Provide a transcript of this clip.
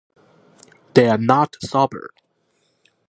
They are not sober.